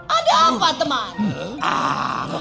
ada apa teman